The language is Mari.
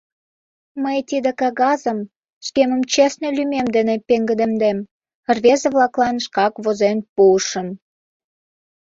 — Мый тиде кагазым шкемын честный лӱмем дене пеҥгыдемдем — рвезе-влаклан шкак возен пуышым.